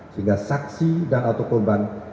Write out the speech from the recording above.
sehingga saksi dan atau korban